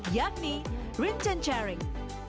yakni rinchen charing